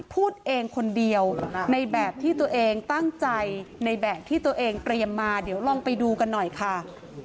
พูดเองคนเดียวในแบบที่ตัวเองตั้งใจในแบบที่ตัวเองเตรียมมาเดี๋ยวลองไปดูกันหน่อยค่ะ